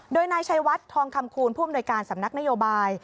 โดยนายชัยวัดทองคำคูณผู้อำนวยการสำนักนโยบาย